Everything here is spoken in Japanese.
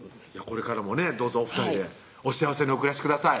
これからもねどうぞお２人でお幸せにお暮らしください